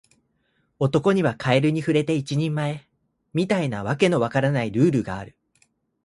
男にはカエルに触れて一人前、みたいな訳の分からないルールがある